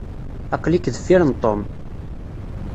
Aql-ik deffir n Tom.